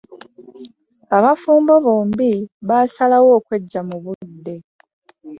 Abafumbo bombi baasalawo okweggya mu budde.